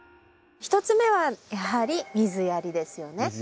１つ目はやはり水やりですよね。